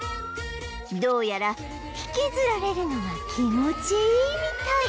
どうやら引きずられるのが気持ちいいみたい